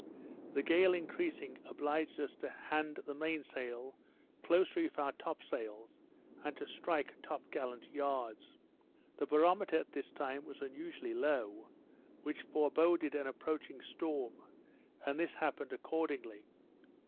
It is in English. The gale increasing obliged us to hand the main sail, close reef our top sails, and to strike top gallant yards. The barometer at this time was unusually low, which foreboded an approaching storm, and this happened accordingly.